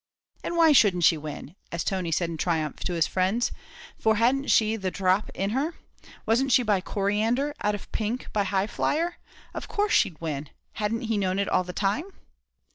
"And why shouldn't she win?" as Tony said in triumph to his friends, "for hadn't she the dhrop in her? wasn't she by Coriander, out of Pink, by Highflyer? Of course she'd win hadn't he known it all the time?"